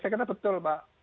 saya kira betul pak